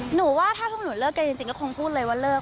หนูว่าถ้าพวกหนูเลิกกันจริงก็คงพูดเลยว่าเลิก